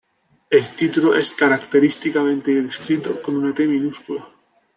El título es característicamente escrito con una T minúscula.